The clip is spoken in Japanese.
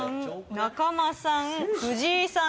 中間さん藤井さん